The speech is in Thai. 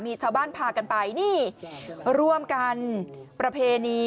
มีชาวบ้านพากันไปนี่ร่วมกันประเพณี